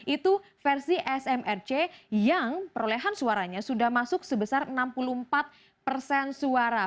itu versi smrc yang perolehan suaranya sudah masuk sebesar enam puluh empat persen suara